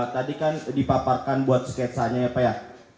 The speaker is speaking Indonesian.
tadi kan dipaparkan buat sketsanya ya pak ya